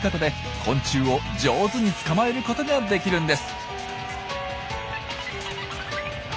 昆虫を上手に捕まえることができるんです。